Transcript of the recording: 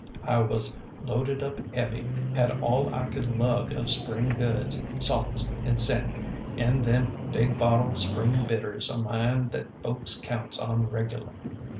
I was loaded up heavy, had all I could lug of spring goods; salts an' seny, and them big bottle spring bitters o' mine that folks counts on regular.